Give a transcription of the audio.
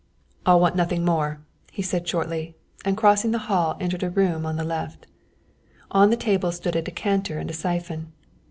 "I'll want nothing more," he said shortly, and crossing the hall entered a room on the left. On the table stood a decanter and a syphon.